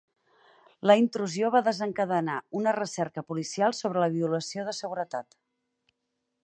La intrusió va desencadenar una recerca policial sobre la violació de seguretat.